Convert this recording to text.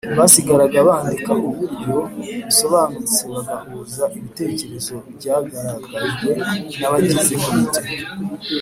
basigaraga bandika ku buryo busobanutse, bagahuza ibitekerezo byagaragajwen’abagize Komite,